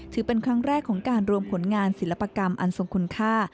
ถือเป็นครั้งแรกของการรวมผลงานศิลปกรรมอันทรงคุณค่า